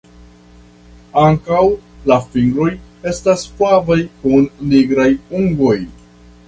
Ankaŭ la fingroj estas flavaj kun nigraj ungoj.